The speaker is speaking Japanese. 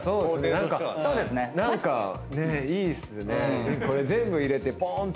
何か何かねいいっすね。